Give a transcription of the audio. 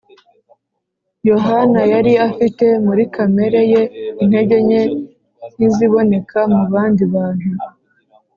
Yohana yari afite muri kamere ye intege nke nk’iziboneka mu bandi bantu